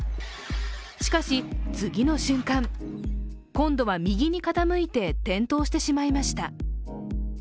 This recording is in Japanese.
しかし、次の瞬間、今度は右に傾いて転倒してしまいました。